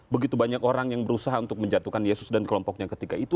begitu banyak orang yang berusaha untuk menjatuhkan yesus dan kelompoknya ketika itu